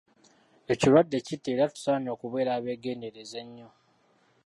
Ekirwadde kitta era tusaanye okubeera abeegendereza ennyo.